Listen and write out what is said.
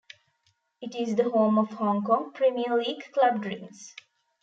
It is the home of Hong Kong Premier League club Dreams.